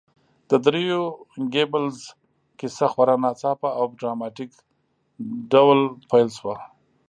د دریو ګيبلز کیسه خورا ناڅاپه او ډراماتیک ډول پیل شوه